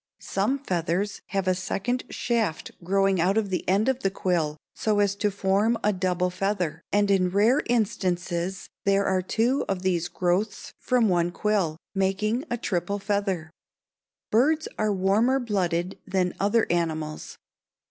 Some feathers have a second shaft growing out of the end of the quill so as to form a double feather, and in rare instances there are two of these growths from one quill, making a triple feather. Birds are warmer blooded than other animals.